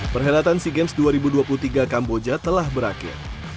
perhelatan sea games dua ribu dua puluh tiga kamboja telah berakhir